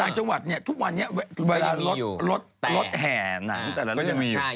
ต่างจังหวัดเนี่ยทุกวันนี้ลดแห่หนังแต่ละเรื่อง